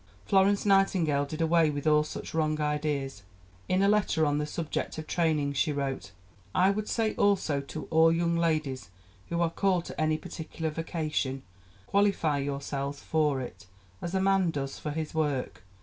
Florence Nightingale did away with all such wrong ideas. In a letter on the subject of training she wrote: "I would say also to all young ladies who are called to any particular vocation, qualify yourselves for it, as a man does for his work.